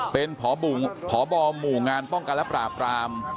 เป็นพบหมู่งานป้องกันและปราบราม